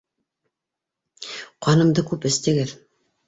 Ҡанымды күп эстегеҙ